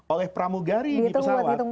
oleh pramugari di pesawat